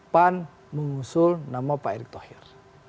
pan mengusul nama pak erick thohir